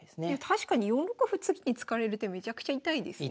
確かに４六歩次に突かれる手めちゃくちゃ痛いですね。